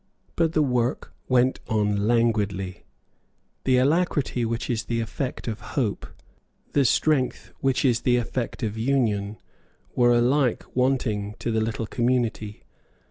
But the work went on languidly. The alacrity which is the effect of hope, the strength which is the effect of union, were alike wanting to the little community.